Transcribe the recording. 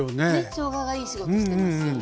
しょうががいい仕事してますよね。